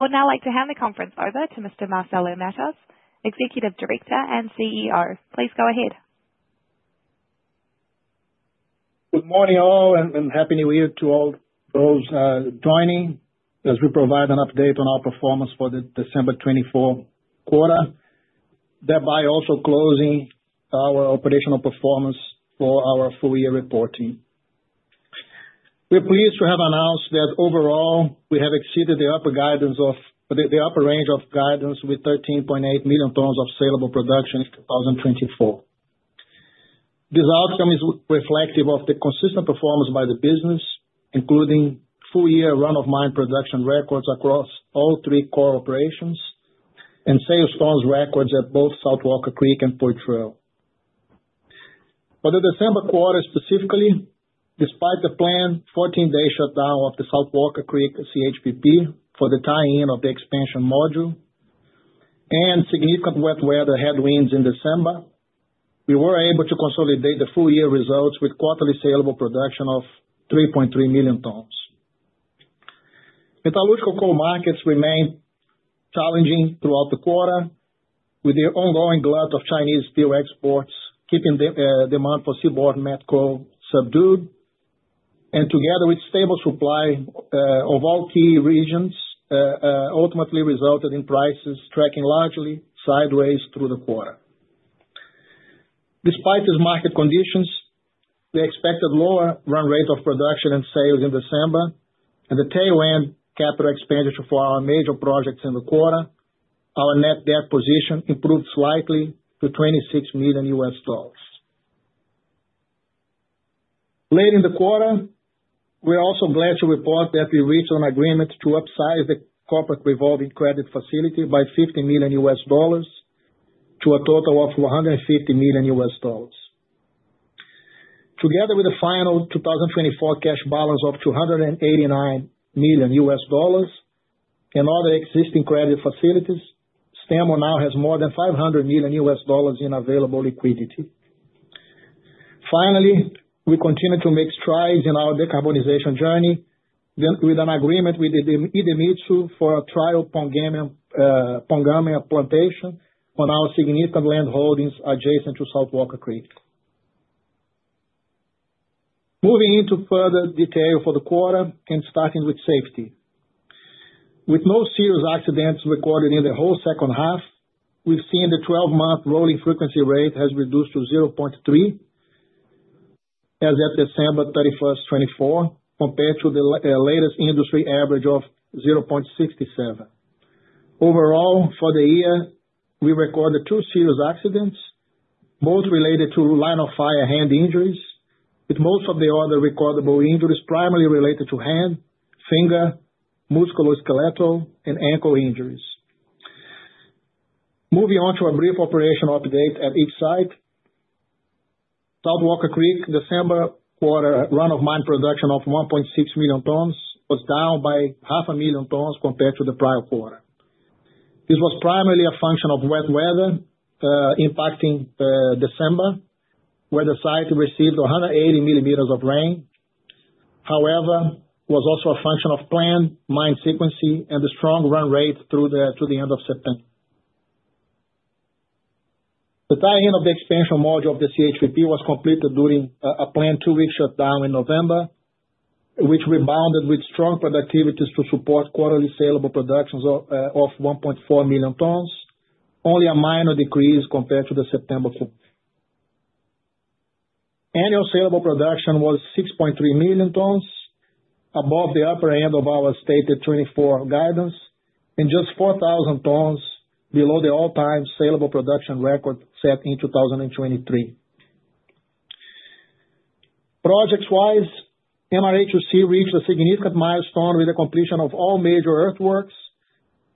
Would now like to hand the conference over to Mr. Marcelo Matos, Executive Director and CEO. Please go ahead. Good morning all, and Happy New Year to all those joining, as we provide an update on our performance for the December 2024 quarter, thereby also closing our operational performance for our full-year reporting. We're pleased to have announced that overall we have exceeded the upper range of guidance with 13.8 million tons of saleable production in 2024. This outcome is reflective of the consistent performance by the business, including full-year run-of-mine production records across all three core operations and sales tons records at both South Walker Creek and Poitrel. For the December quarter specifically, despite the planned 14-day shutdown of the South Walker Creek CHPP for the tie-in of the expansion module and significant wet weather headwinds in December, we were able to consolidate the full-year results with quarterly saleable production of 3.3 million tons. Metallurgical coal markets remained challenging throughout the quarter, with the ongoing glut of Chinese steel exports keeping demand for seaborne metallurgical coal subdued, and together with stable supply of all key regions, ultimately resulted in prices tracking largely sideways through the quarter. Despite these market conditions, the expected lower run rate of production and sales in December, and the tail end capital expenditure for our major projects in the quarter, our net debt position improved slightly to $26 million. Later in the quarter, we're also glad to report that we reached an agreement to upsize the corporate revolving credit facility by $50 million to a total of $150 million. Together with the final 2024 cash balance of $289 million and other existing credit facilities, Stanmore now has more than $500 million in available liquidity. Finally, we continue to make strides in our decarbonization journey with an agreement with Idemitsu for a trial Pongamia plantation on our significant land holdings adjacent to South Walker Creek. Moving into further detail for the quarter and starting with safety. With no serious accidents recorded in the whole second half, we've seen the 12-month rolling frequency rate has reduced to 0.3 as of December 31st, 2024, compared to the latest industry average of 0.67. Overall, for the year, we recorded two serious accidents, both related to line-of-fire hand injuries, with most of the other recordable injuries primarily related to hand, finger, musculoskeletal, and ankle injuries. Moving on to a brief operational update at each site. South Walker Creek December quarter run-of-mine production of 1.6 million tons was down by 500,000 tons compared to the prior quarter. This was primarily a function of wet weather impacting December, where the site received 180 mm of rain. However, it was also a function of planned mine sequence and the strong run rate through the end of September. The tie-in of the expansion module of the CHPP was completed during a planned two-week shutdown in November, which rebounded with strong productivities to support quarterly saleable productions of 1.4 million tons, only a minor decrease compared to the September quarter. Annual saleable production was 6.3 million tons, above the upper end of our stated 2024 guidance, and just 4,000 tons below the all-time saleable production record set in 2023. Projects-wise, MRA2C reached a significant milestone with the completion of all major earthworks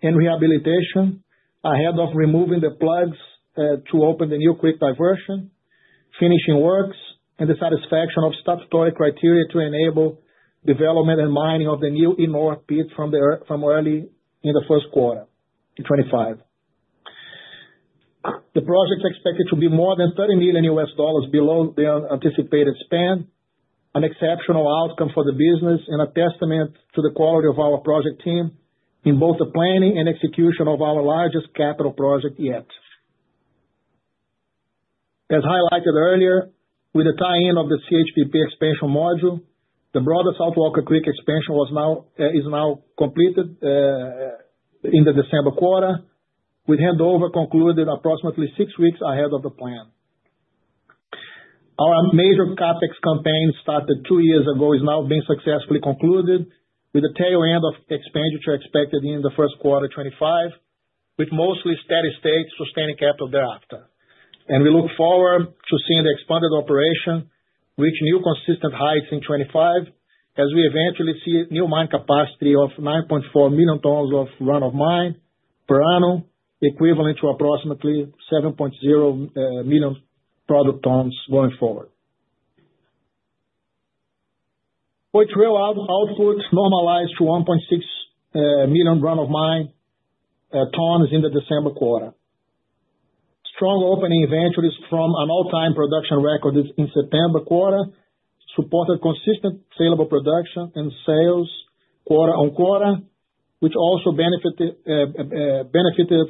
and rehabilitation ahead of removing the plugs to open the new creek diversion, finishing works, and the satisfaction of statutory criteria to enable development and mining of the new Y North from early in the first quarter in 2025. The project is expected to be more than $30 million below the anticipated capex, an exceptional outcome for the business and a testament to the quality of our project team in both the planning and execution of our largest capital project yet. As highlighted earlier, with the tie-in of the CHPP expansion module, the broader South Walker Creek expansion is now completed in the December quarter, with handover concluded approximately six weeks ahead of the plan. Our major CapEx campaign started two years ago is now being successfully concluded, with the tail end of expenditure expected in the first quarter 2025, with mostly steady state sustaining capital thereafter, and we look forward to seeing the expanded operation reach new consistent heights in 2025 as we eventually see new mine capacity of 9.4 million tons of run-of-mine per annum, equivalent to approximately 7.0 million product tons going forward. Poitrel output normalized to 1.6 million run-of-mine tons in the December quarter. Strong opening inventories from an all-time production record in September quarter supported consistent saleable production and sales quarter on quarter, which also benefited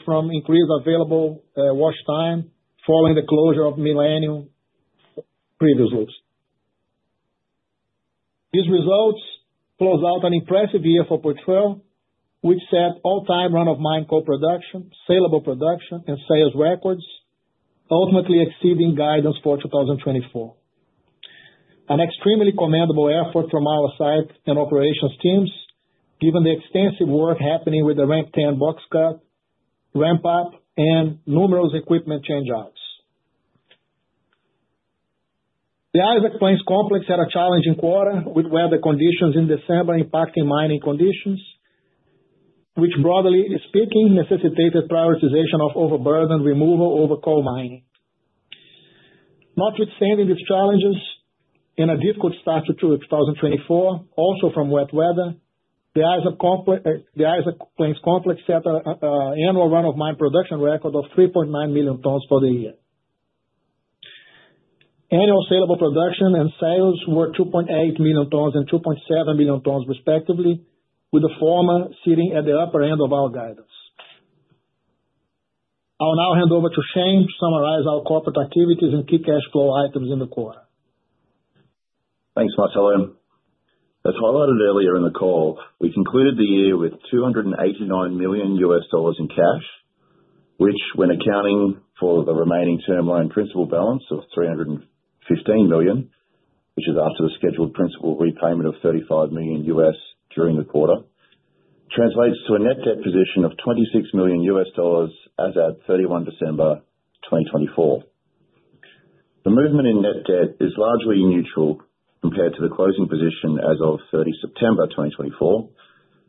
from increased available wash time following the closure of Millennium previously. These results close out an impressive year for Poitrel, which set all-time run-of-mine coal production, saleable production, and sales records, ultimately exceeding guidance for 2024. An extremely commendable effort from our site and operations teams, given the extensive work happening with the Ramp 10 boxcut, ramp-up, and numerous equipment changeouts. The Isaac Plains Complex had a challenging quarter with weather conditions in December impacting mining conditions, which, broadly speaking, necessitated prioritization of overburden removal over coal mining. Notwithstanding these challenges and a difficult start to 2024, also from wet weather, the Isaac Plains Complex set annual run-of-mine production record of 3.9 million tons for the year. Annual saleable production and sales were 2.8 million tons and 2.7 million tons, respectively, with the former sitting at the upper end of our guidance. I'll now hand over to Shane to summarize our corporate activities and key cash flow items in the quarter. Thanks, Marcelo. As highlighted earlier in the call, we concluded the year with $289 million in cash, which, when accounting for the remaining term loan principal balance of $315 million, which is after the scheduled principal repayment of $35 million during the quarter, translates to a net debt position of $26 million as at 31 December 2024. The movement in net debt is largely neutral compared to the closing position as of 30 September 2024,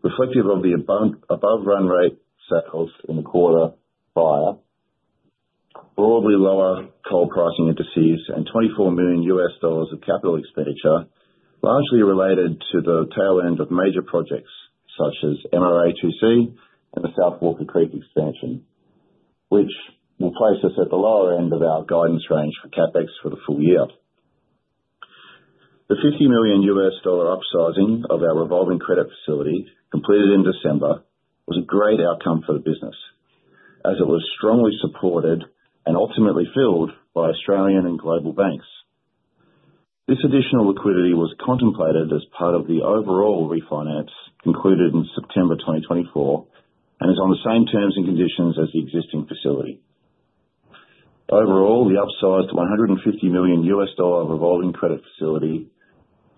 reflective of the above run rate sales in the quarter prior, broadly lower coal pricing indices, and $24 million of capital expenditure, largely related to the tail end of major projects such as MRA2C and the South Walker Creek expansion, which will place us at the lower end of our guidance range for CapEx for the full year. The $50 million upsizing of our revolving credit facility completed in December was a great outcome for the business, as it was strongly supported and ultimately filled by Australian and global banks. This additional liquidity was contemplated as part of the overall refinance concluded in September 2024 and is on the same terms and conditions as the existing facility. Overall, the upsized $150 million revolving credit facility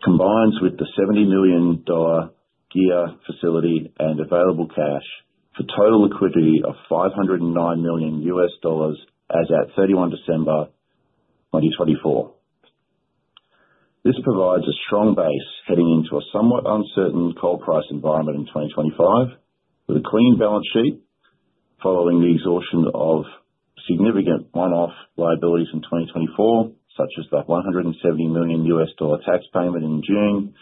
combines with the $70 million term facility and available cash for total liquidity of $509 million as at 31 December 2024. This provides a strong base heading into a somewhat uncertain coal price environment in 2025, with a clean balance sheet following the exhaustion of significant one-off liabilities in 2024, such as the $170 million tax payment in June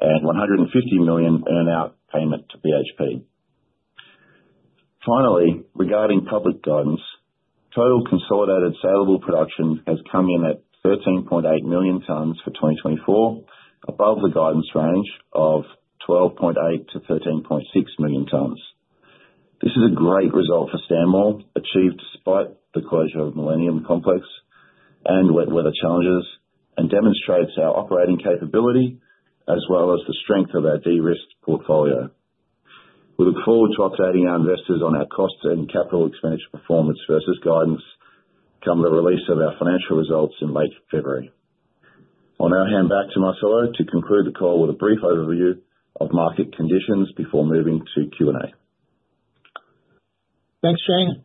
and $150 million earnout payment to BHP. Finally, regarding public guidance, total consolidated saleable production has come in at 13.8 million tons for 2024, above the guidance range of 12.8-13.6 million tons. This is a great result for Stanmore, achieved despite the closure of Millennium Complex and wet weather challenges, and demonstrates our operating capability as well as the strength of our de-risked portfolio. We look forward to updating our investors on our cost and capital expenditure performance versus guidance come the release of our financial results in late February. I'll now hand back to Marcelo to conclude the call with a brief overview of market conditions before moving to Q&A. Thanks, Shane.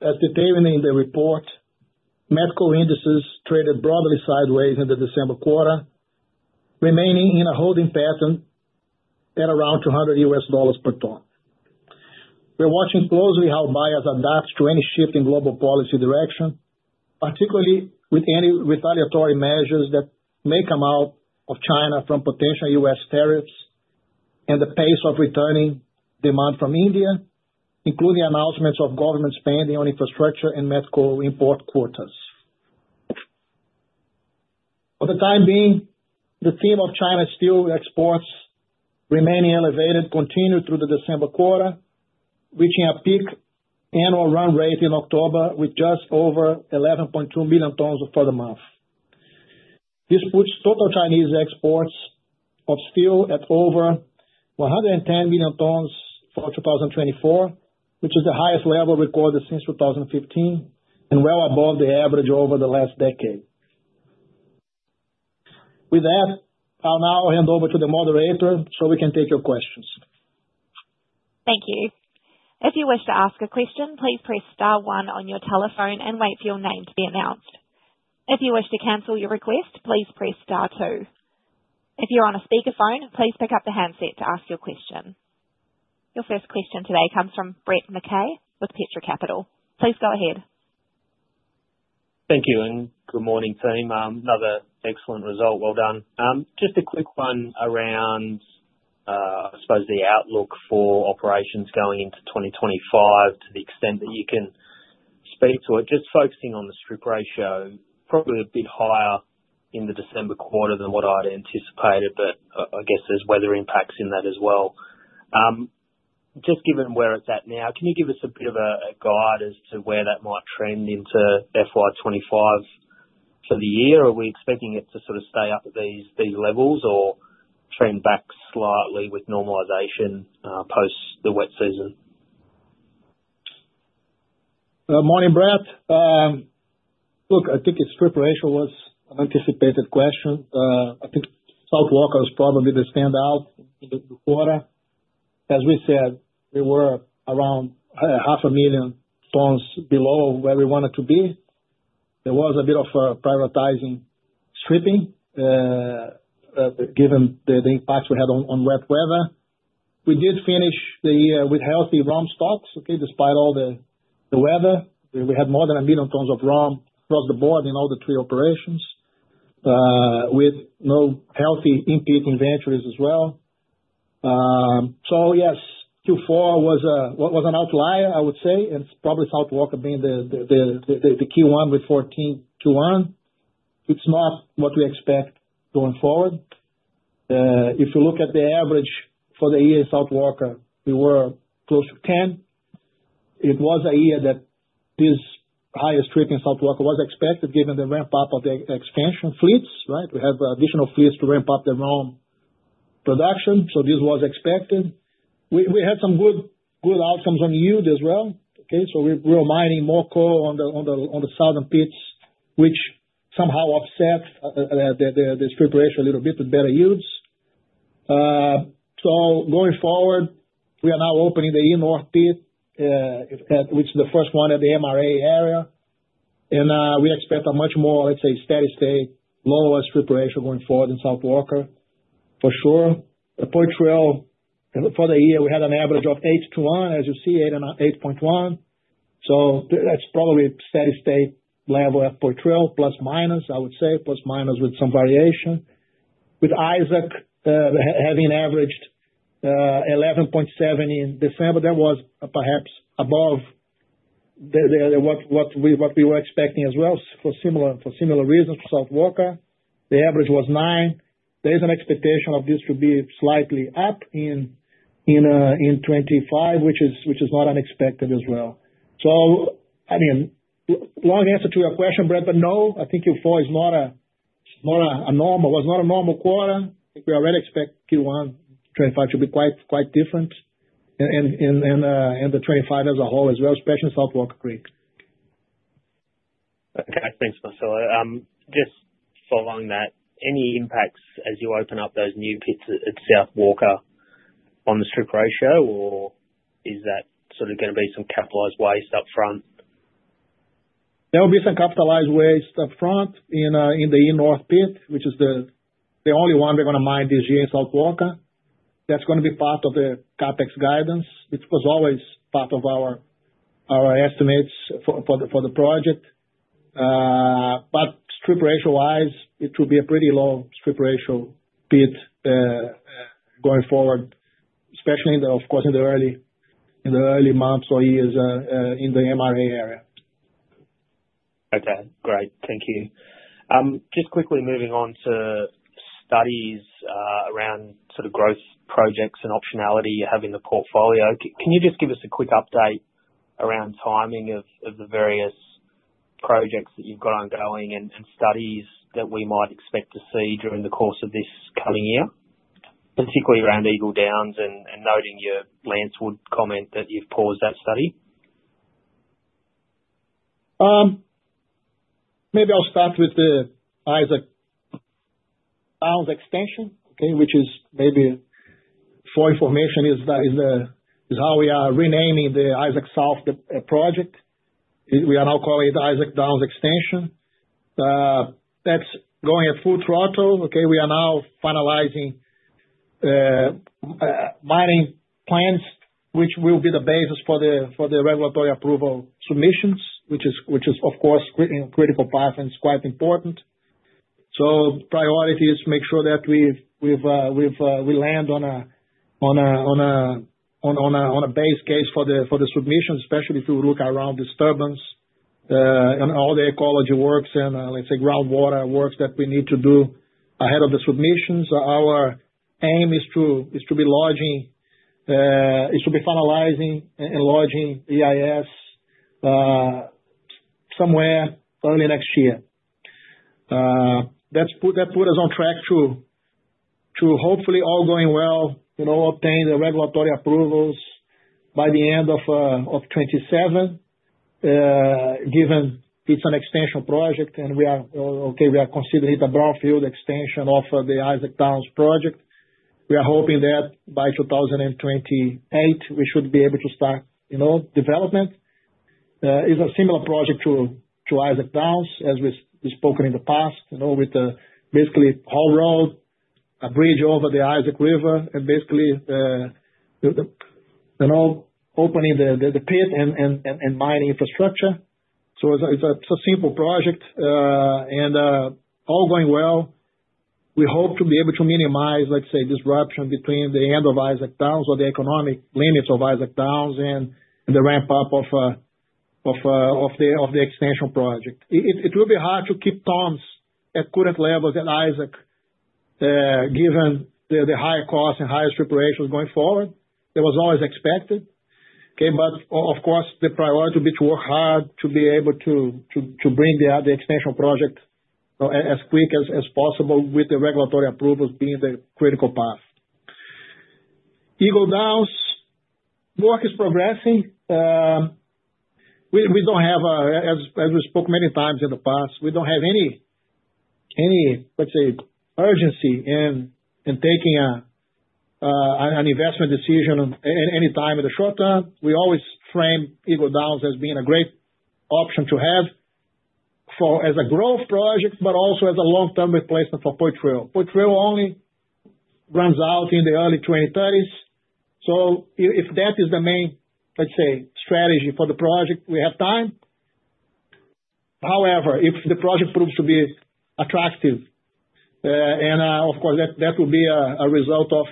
As stated in the report, met coal indices traded broadly sideways in the December quarter, remaining in a holding pattern at around $200 per ton. We're watching closely how buyers adapt to any shift in global policy direction, particularly with retaliatory measures that may come out of China from potential US tariffs and the pace of returning demand from India, including announcements of government spending on infrastructure and met coal import quotas. For the time being, the theme of China steel exports remaining elevated continued through the December quarter, reaching a peak annual run rate in October with just over 11.2 million tons for the month. This puts total Chinese exports of steel at over 110 million tons for 2024, which is the highest level recorded since 2015 and well above the average over the last decade. With that, I'll now hand over to the moderator so we can take your questions. Thank you. If you wish to ask a question, please press star one on your telephone and wait for your name to be announced. If you wish to cancel your request, please press star two. If you're on a speakerphone, please pick up the handset to ask your question. Your first question today comes from Brett McKay with Petra Capital. Please go ahead. Thank you and good morning, team. Another excellent result. Well done. Just a quick one around, I suppose, the outlook for operations going into 2025, to the extent that you can speak to it, just focusing on the strip ratio, probably a bit higher in the December quarter than what I'd anticipated, but I guess there's weather impacts in that as well. Just given where it's at now, can you give us a bit of a guide as to where that might trend into FY 2025 for the year? Are we expecting it to sort of stay up at these levels or trend back slightly with normalization post the wet season? Morning, Brett. Look, I think its strip ratio was an anticipated question. I think South Walker is probably the standout in the quarter. As we said, we were around 500,000 tons below where we wanted to be. There was a bit of prioritizing stripping given the impact we had on wet weather. We did finish the year with healthy ROM stocks, okay, despite all the weather. We had more than 1 million tons of ROM across the board in all the three operations with notably healthy in-pit inventories as well. So yes, Q4 was an outlier, I would say, and probably South Walker being the key one with 14-1. It's not what we expect going forward. If you look at the average for the year in South Walker, we were close to 10. It was a year that this higher stripping in South Walker was expected given the ramp-up of the expansion fleets, right? We have additional fleets to ramp up the ROM production, so this was expected. We had some good outcomes on yield as well, okay? So we were mining more coal on the southern pits, which somehow upset the strip ratio a little bit with better yields. So going forward, we are now opening the Y North, which is the first one at the MRA2C area, and we expect a much more, let's say, steady state, lower strip ratio going forward in South Walker, for sure. At Poitrel, for the year, we had an average of 8-1, as you see, 8.1. So that's probably a steady state level at Poitrel, plus minus, I would say, plus minus with some variation. With Isaac having averaged 11.7 in December, that was perhaps above what we were expecting as well for similar reasons for South Walker. The average was 9. There is an expectation of this to be slightly up in 2025, which is not unexpected as well. So, I mean, long answer to your question, Brett, but no, I think Q4 is not a normal quarter. We already expect Q1 2025 to be quite different and the 2025 as a whole as well, especially South Walker Creek. Okay, thanks, Marcelo. Just following that, any impacts as you open up those new pits at South Walker on the strip ratio, or is that sort of going to be some capitalized waste upfront? There will be some capitalized waste upfront in the Y North, which is the only one we're going to mine this year in South Walker Creek. That's going to be part of the CapEx guidance. It was always part of our estimates for the project. But strip ratio-wise, it will be a pretty low strip ratio pit going forward, especially, of course, in the early months or years in the MRA area. Okay, great. Thank you. Just quickly moving on to studies around sort of growth projects and optionality you have in the portfolio. Can you just give us a quick update around timing of the various projects that you've got ongoing and studies that we might expect to see during the course of this coming year, particularly around Eagle Downs and noting your Lancewood comment that you've paused that study? Maybe I'll start with the Isaac Downs Extension, okay, which is maybe for information is how we are renaming the Isaac South project. We are now calling it Isaac Downs Extension. That's going at full throttle. Okay, we are now finalizing mining plans, which will be the basis for the regulatory approval submissions, which is, of course, critical path and is quite important. So priority is to make sure that we land on a base case for the submissions, especially if we look around disturbance and all the ecology works and, let's say, groundwater works that we need to do ahead of the submissions. Our aim is to be finalizing and lodging EIS somewhere early next year. That put us on track to, hopefully, all going well, obtain the regulatory approvals by the end of 2027, given it's an extension project and we are considering it a brownfield extension of the Isaac Downs project. We are hoping that by 2028, we should be able to start development. It's a similar project to Isaac Downs, as we've spoken in the past, with basically a whole road, a bridge over the Isaac River, and basically opening the pit and mining infrastructure. So it's a simple project. And all going well, we hope to be able to minimize, let's say, disruption between the end of Isaac Downs or the economic limits of Isaac Downs and the ramp-up of the extension project. It will be hard to keep tons at current levels at Isaac given the high cost and high strip ratio going forward. That was always expected. Okay, but of course, the priority will be to work hard to be able to bring the extension project as quick as possible with the regulatory approvals being the critical path. Eagle Downs work is progressing. We don't have, as we spoke many times in the past, we don't have any, let's say, urgency in taking an investment decision anytime in the short term. We always frame Eagle Downs as being a great option to have as a growth project, but also as a long-term replacement for Poitrel. Poitrel only runs out in the early 2030s. So if that is the main, let's say, strategy for the project, we have time. However, if the project proves to be attractive, and of course, that will be a result of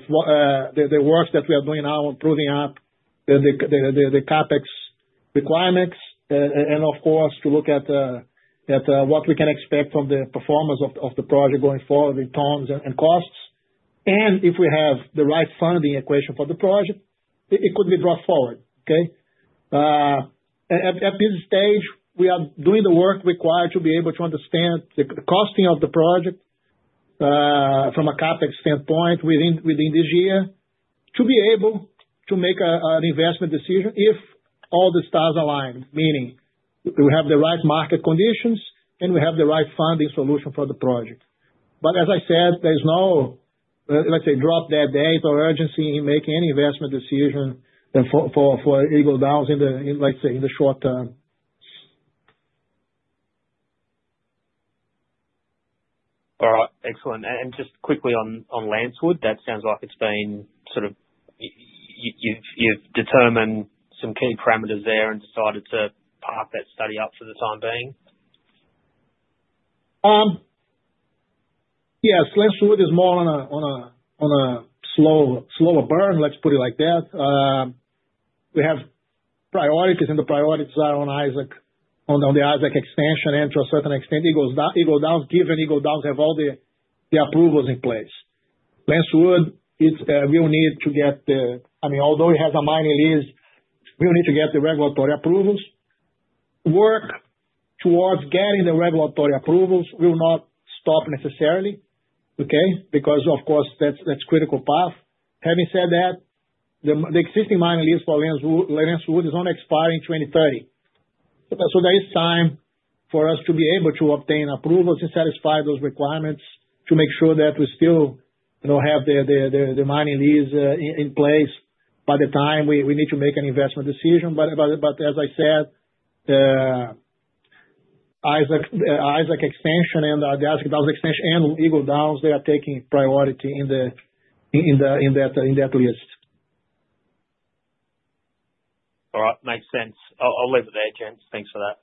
the work that we are doing now on proving up the CapEx requirements, and of course, to look at what we can expect from the performance of the project going forward in tons and costs. And if we have the right funding equation for the project, it could be brought forward. Okay? At this stage, we are doing the work required to be able to understand the costing of the project from a CapEx standpoint within this year to be able to make an investment decision if all the stars align, meaning we have the right market conditions and we have the right funding solution for the project. But as I said, there is no, let's say, drop-dead date or urgency in making any investment decision for Eagle Downs in the short term. All right. Excellent. And just quickly on Lancewood, that sounds like it's been sort of you've determined some key parameters there and decided to park that study up for the time being. Yes, Lancewood is more on a slower burn, let's put it like that. We have priorities, and the priorities are on Isaac, on the Isaac Extension and to a certain extent Eagle Downs, given Eagle Downs have all the approvals in place. Lancewood, we'll need to get the, I mean, although it has a mining lease, we'll need to get the regulatory approvals. Work towards getting the regulatory approvals will not stop necessarily, okay, because, of course, that's a critical path. Having said that, the existing mining lease for Lancewood is only expiring in 2030. So there is time for us to be able to obtain approvals and satisfy those requirements to make sure that we still have the mining lease in place by the time we need to make an investment decision. But as I said, Isaac Extension and the Isaac Downs Extension and Eagle Downs, they are taking priority in that list. All right. Makes sense. I'll leave it there, James. Thanks for that.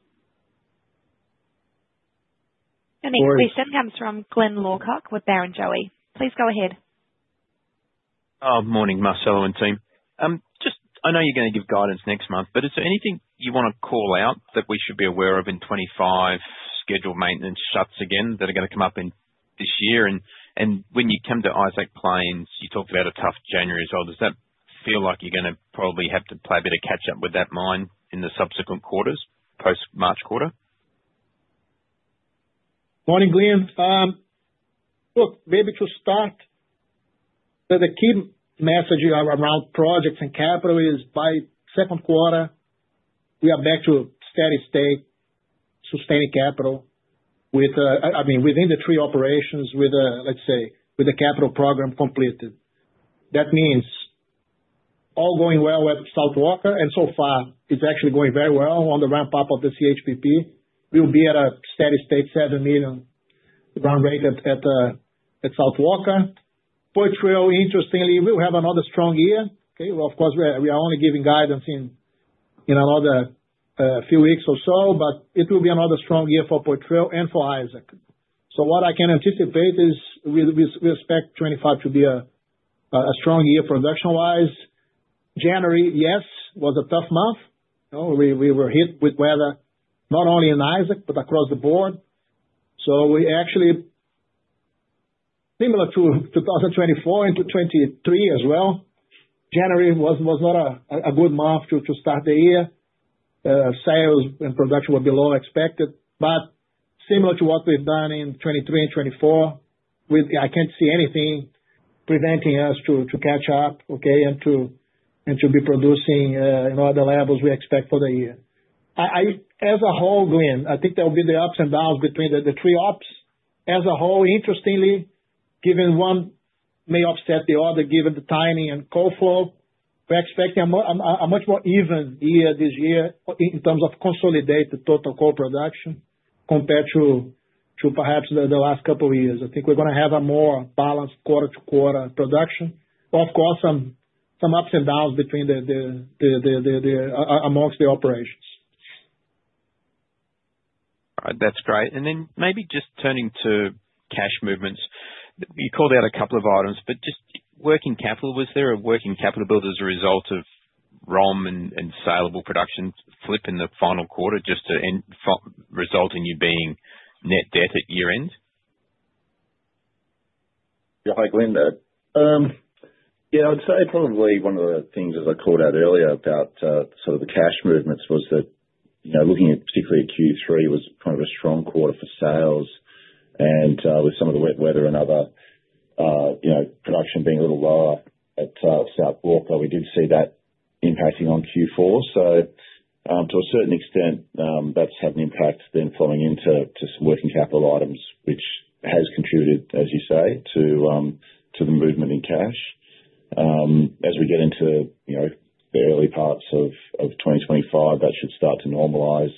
A question comes from Glyn Lawcock with Barrenjoey. Please go ahead. Oh, morning, Marcelo and team. Just I know you're going to give guidance next month, but is there anything you want to call out that we should be aware of in 2025 scheduled maintenance shutdowns again that are going to come up in this year? And when you come to Isaac Plains, you talked about a tough January as well. Does that feel like you're going to probably have to play a bit of catch-up with that mine in the subsequent quarters, post-March quarter? Morning, Glyn. Look, maybe to start, the key message around projects and capital is by second quarter, we are back to steady state, sustaining capital, I mean, within the three operations with, let's say, with the capital program completed. That means all going well with South Walker, and so far it's actually going very well on the ramp-up of the CHPP. We'll be at a steady state, 7 million run rate at South Walker. Poitrel, interestingly, we'll have another strong year. Okay, of course, we are only giving guidance in another few weeks or so, but it will be another strong year for Poitrel and for Isaac. What I can anticipate is we expect 2025 to be a strong year production-wise. January, yes, was a tough month. We were hit with weather not only in Isaac, but across the board. We actually, similar to 2024 into 2023 as well, January was not a good month to start the year. Sales and production were below expected, but similar to what we've done in 2023 and 2024, I can't see anything preventing us to catch up, okay, and to be producing at the levels we expect for the year. As a whole, Glyn, I think there will be the ups and downs between the three ops. As a whole, interestingly, given one may upset the other given the timing and coal flow, we're expecting a much more even year this year in terms of consolidated total coal production compared to perhaps the last couple of years. I think we're going to have a more balanced quarter-to-quarter production. Of course, some ups and downs among the operations. All right. That's great. And then maybe just turning to cash movements. You called out a couple of items, but just working capital, was there a working capital build as a result of ROM and saleable production flip in the final quarter just resulting in you being net debt at year-end? Yeah, hi, Glyn. Yeah, I'd say probably one of the things as I called out earlier about sort of the cash movements was that looking at particularly Q3 was kind of a strong quarter for sales. And with some of the wet weather and other production being a little lower at South Walker, we did see that impacting on Q4. So to a certain extent, that's had an impact then falling into some working capital items, which has contributed, as you say, to the movement in cash. As we get into the early parts of 2025, that should start to normalize.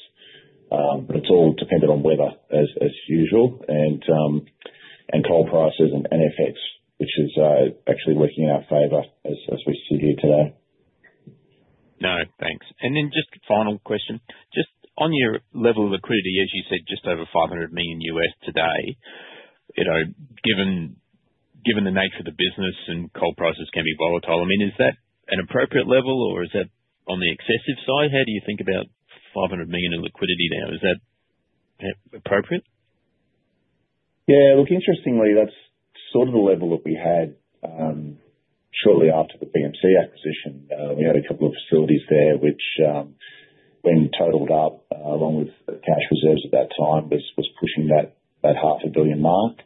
But it's all dependent on weather as usual and coal prices and NFX, which is actually working in our favor as we sit here today. No, thanks. Then just final question. Just on your level of liquidity, as you said, just over $500 million today, given the nature of the business and coal prices can be volatile, I mean, is that an appropriate level or is that on the excessive side? How do you think about $500 million in liquidity now? Is that appropriate? Yeah. Look, interestingly, that's sort of the level that we had shortly after the BMC acquisition. We had a couple of facilities there, which when totaled up, along with cash reserves at that time, was pushing that 500 million mark.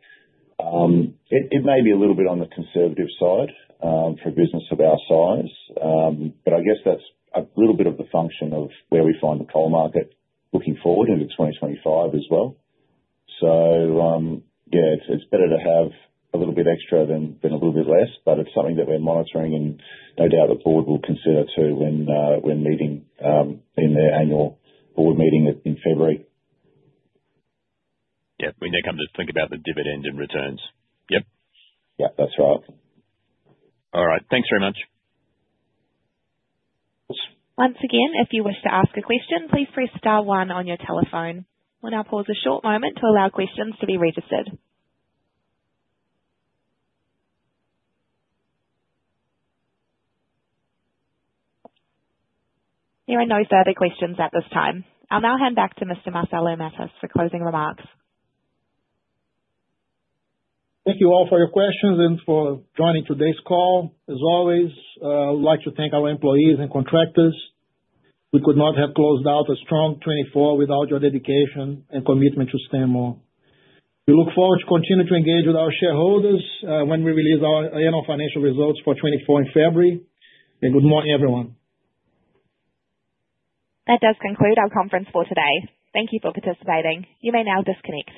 It may be a little bit on the conservative side for a business of our size, but I guess that's a little bit of the function of where we find the coal market looking forward into 2025 as well. So yeah, it's better to have a little bit extra than a little bit less, but it's something that we're monitoring and no doubt the board will consider too when meeting in their annual board meeting in February. Yep. When they come to think about the dividends and returns. Yep. Yep, that's right. All right. Thanks very much. Once again, if you wish to ask a question, please press star one on your telephone. We'll now pause a short moment to allow questions to be registered. There are no further questions at this time. I'll now hand back to Mr. Marcelo Matos for closing remarks. Thank you all for your questions and for joining today's call. As always, I would like to thank our employees and contractors. We could not have closed out a strong 2024 without your dedication and commitment to Stanmore. We look forward to continuing to engage with our shareholders when we release our annual financial results for 2024 in February, and good morning, everyone. That does conclude our conference for today. Thank you for participating. You may now disconnect.